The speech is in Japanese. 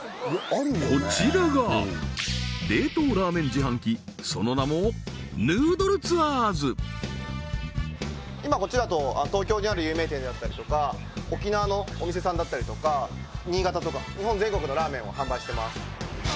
こちらが今こっちだと東京にある有名店であったりとか沖縄のお店さんだったりとか新潟とか日本全国のラーメンを販売してます